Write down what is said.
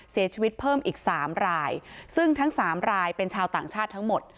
เสียชีวิตเพิ่มอีกสามรายซึ่งทั้งสามรายเป็นชาวต่างชาติทั้งหมด